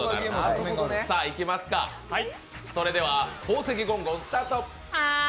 それでは「宝石ゴンゴン」スタート。